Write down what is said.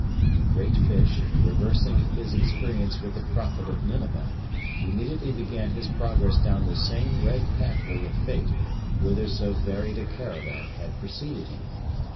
The great fish, reversing his experience with the prophet of Nineveh, immediately began his progress down the same red pathway of fate whither so varied a caravan had preceded him.